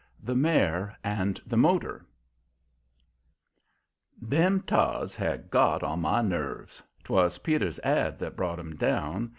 THE MARE AND THE MOTOR Them Todds had got on my nerves. 'Twas Peter's ad that brought 'em down.